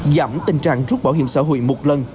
giảm tình trạng rút bảo hiểm xã hội một lần